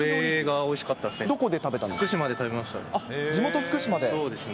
どこで食べたんですか？